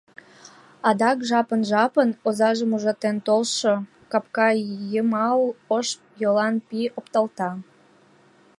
Адак, жапын-жапын, озажым ужатен толшо капка йымал ош йолан пий опталта.